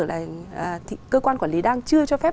là cơ quan quản lý đang chưa cho phép